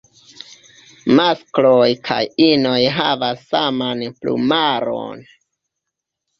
Maskloj kaj inoj havas saman plumaron.